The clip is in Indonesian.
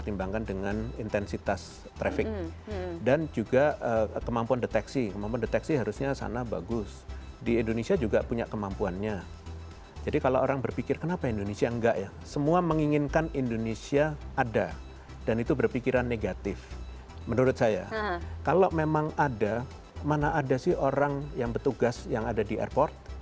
menurut saya kalau memang ada mana ada sih orang yang bertugas yang ada di airport